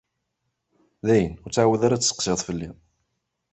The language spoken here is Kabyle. Dayen, ur ttεawad ara ad d-testeqsiḍ fell-i.